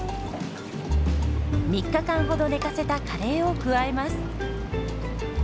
３日間ほど寝かせたカレーを加えます。